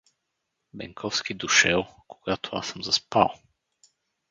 Бенковски дошел, когато аз съм заспал.